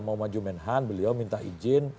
mau maju menhan beliau minta izin